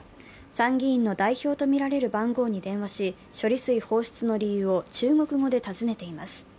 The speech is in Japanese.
参議院の代表とみられる番号に電話し、処理水放出の理由を中国語で尋ねています。